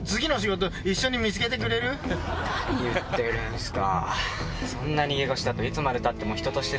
何言ってるんすか！